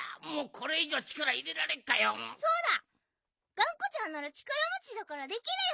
がんこちゃんならちからもちだからできるよ。